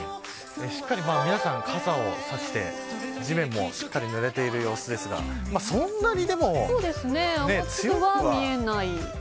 しっかり皆さん傘を差して地面もしっかりぬれている様子ですがそんなにでも強くは。